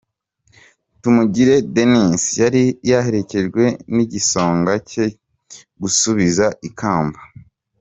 Tumugire Denise yari yaherekejwe n'igisonga cye gusubiza ikamba.